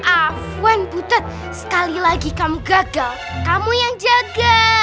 afwan butet sekali lagi kamu gagal kamu yang jaga